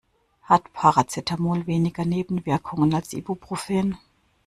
Hat Paracetamol weniger Nebenwirkungen als Ibuprofen?